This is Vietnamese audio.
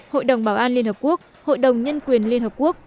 hội đồng bảo an liên hợp quốc hội đồng nhân quyền liên hợp quốc